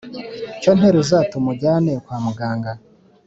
cyo nteruza tumujyane kwa muganga!